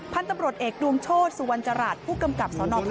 พันธุ์ตำรวจเอกดวงโชชสุวรรณจรัฐผู้กำกับสนทองหล่อ